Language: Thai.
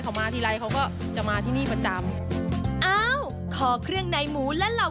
เขามาทีละเขาก็จะมาที่นี่ประจำ